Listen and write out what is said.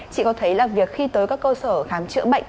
chị có thấy là việc khi tới các cơ sở khám chữa bệnh